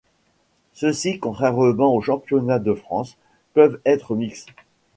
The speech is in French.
Ceux-ci, contrairement aux championnats de France, peuvent-être mixtes.